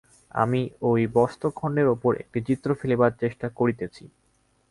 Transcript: আমি ঐ বস্ত্রখণ্ডের উপর একটি চিত্র ফেলিবার চেষ্টা করিতেছি।